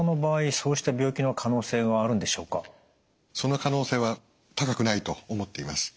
その可能性は高くないと思っています。